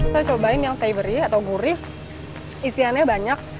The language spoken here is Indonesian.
saya cobain yang savory atau gurih isiannya banyak